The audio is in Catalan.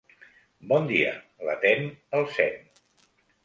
Bon dia, l'atén el Zen.